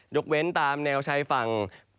ยกเว้นตามแนวใช้ฝั่ง